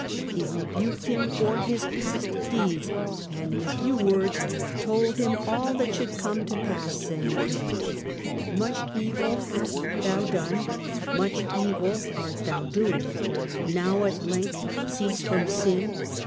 He rebuked him for his past deeds, and in a few words told him all that should x»me to pass, saying :—. 68 THE DAWN OF MEDIEVAL EUROPE Much evil hast thou done, Much evil art thou doing, Now at length cease from sin.